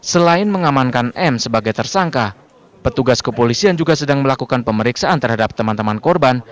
selain mengamankan m sebagai tersangka petugas kepolisian juga sedang melakukan pemeriksaan terhadap teman teman korban